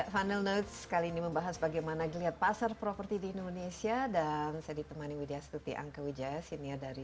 final notes kali ini membahas bagaimana dilihat pasar properti di indonesia dan saya ditemani widya setuti angka widjaya